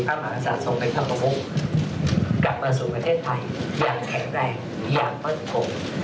พระมหาศาสนเป็นทะพวงกลับมาสู่ประเทศไทยอย่างแข็งแรงอย่างมดกลง